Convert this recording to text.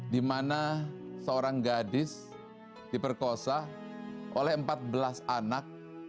dimana seorang gadis diperkosa oleh empat belas anak